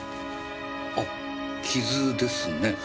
あ傷ですね。